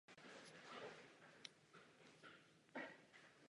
Vede to, jak můžeme vidět, ke skutečně důvěryhodným výsledkům.